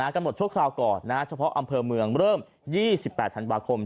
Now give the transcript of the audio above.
ชั่วคราวก่อนเฉพาะอำเภอเมืองเริ่ม๒๘ธันวาคม